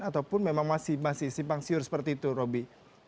ataupun memang masih simpang siur seperti itu roby